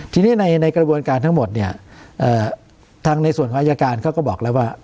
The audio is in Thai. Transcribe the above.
ทีนี้ในกระบวนการทั้งหมดเนี่ยทางในส่วนของอายการเขาก็บอกแล้วว่า